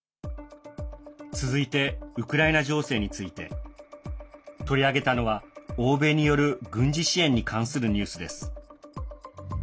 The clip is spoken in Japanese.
続いてウクライナ情勢について。取り上げたのは欧米による軍事支援に関するニュースです。